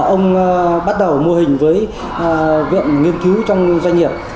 ông bắt đầu mô hình với viện nghiên cứu trong doanh nghiệp